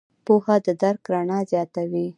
پوهه د درک رڼا زیاتوي.